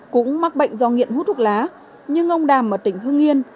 cũng mắc bệnh do nghiện hút thuốc lá nhưng ông đàm ở tỉnh hưng yên